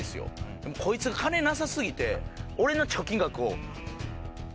でもこいつが金なさ過ぎて俺の貯金額を。